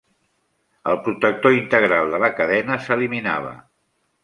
El protector integral de la cadena s'eliminava.